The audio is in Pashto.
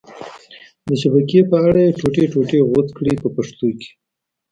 د شبکې په اره یې ټوټې ټوټې غوڅ کړئ په پښتو کې.